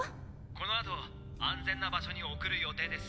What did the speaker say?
このあと安全な場所に送る予定です。